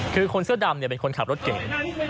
คือคนเสื้อดำเป็นคนขับรถเก่ง